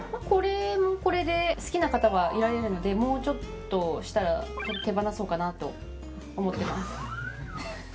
これもこれで好きな方がいられるのでもうちょっとしたら手放そうかなと思っています。